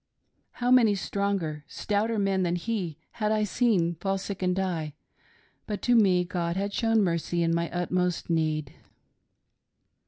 How many stronger, stouter men than he had I seen fall sick and die ; but to me God had shown mercy in my utmost need.